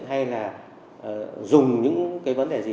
hay là dùng những cái vấn đề gì